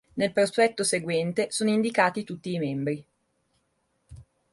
Nel prospetto seguente sono indicati tutti i membri.